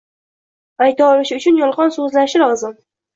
ayta olishi uchun yolg'on so'zlashi lozim.